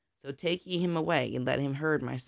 So take ye him away and let him herd my swine."